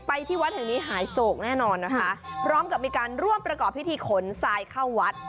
ที่วัดแห่งนี้หายโศกแน่นอนนะคะพร้อมกับมีการร่วมประกอบพิธีขนทรายเข้าวัด